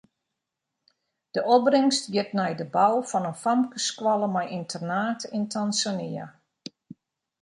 De opbringst giet nei de bou fan in famkesskoalle mei ynternaat yn Tanzania.